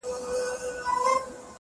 خو هغې دغه ډالۍ_